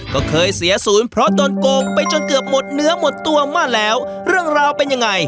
ก็เคยเสียศูนย์เพราะโดนโกงไปจนเกือบหมดเนื้อหมดตัวมาแล้วเรื่องราวเป็นยังไง